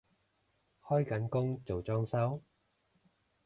開緊工做裝修？